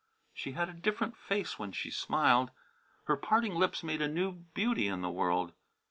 She had a different face when she smiled; her parting lips made a new beauty in the world.